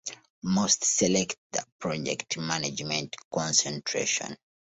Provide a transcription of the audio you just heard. Most select the Project Management concentration.